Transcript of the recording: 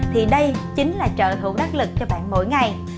thì đây chính là trợ thủ đắc lực cho bạn mỗi ngày